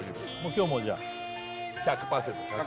今日もじゃあ１００％です